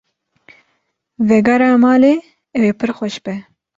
Vegera malê ew ê pir xweş be.